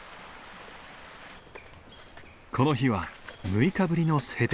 この日は６日ぶりの晴天。